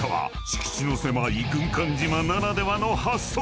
敷地の狭い島ならではの発想。